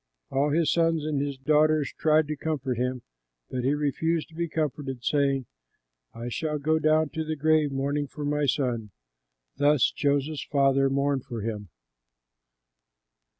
All his sons and his daughters tried to comfort him, but he refused to be comforted, saying, "I shall go down to the grave mourning for my son." Thus Joseph's father mourned for him.